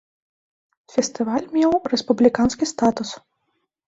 Фестываль меў рэспубліканскі статус.